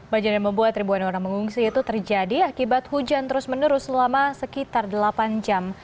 banjir yang membuat ribuan orang mengungsi itu terjadi akibat hujan terus menerus selama sekitar delapan jam